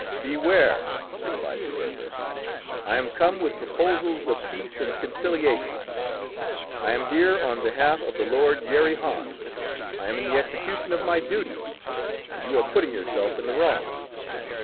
"Beware," replied Sperver. "I am come with proposals of peace and conciliation. I am here on behalf of the lord Yeri Hans. I am in the execution of my duty, and you are putting yourself in the wrong."